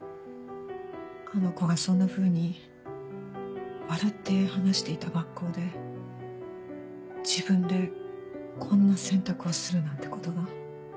あの子がそんなふうに笑って話していた学校で自分でこんな選択をするなんてことが。